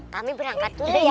kami berangkat dulu ya